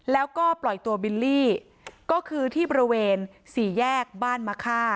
แล้วก็ปล่อยตัวบิลลี่ก็คือที่บริเวณสี่แยกบ้านมะค่า